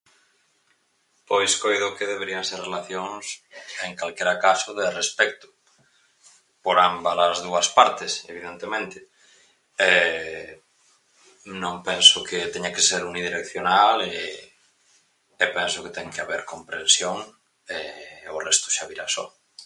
Pois coido que deberían ser relacións en calquera caso de respecto por ámbalas dúas partes, evidentemente, non penso que teña que ser unidireccional e penso que ten que haber comprensión, o resto xa virá só.